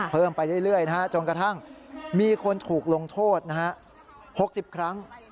เพิ่มไปเรื่อยจนกระทั่งมีคนถูกลงโทษ๖๐ครั้ง